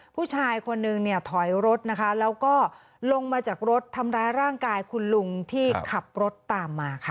ผู้ชายคนนึงเนี่ยถอยรถนะคะแล้วก็ลงมาจากรถทำร้ายร่างกายคุณลุงที่ขับรถตามมาค่ะ